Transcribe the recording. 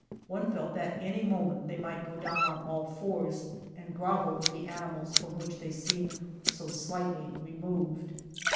One felt that any moment they might go down on all fours and grovel with the animals from which they seemed so slightly removed.